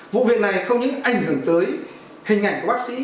vụ việc này không những ảnh hưởng tới hình ảnh của bác sĩ